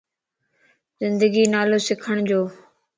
زندگي نالو سکڻ جو